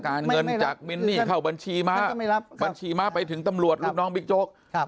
เกิดเงินจากมินนี่เข้าบัญชีมาไปถึงบิ๊กโจ๊ก